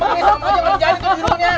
nggak jadi itu judulnya